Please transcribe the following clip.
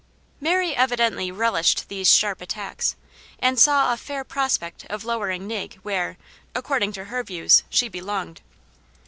Mary evidently relished these sharp attacks, and saw a fair prospect of lowering Nig where, according to her views, she belonged.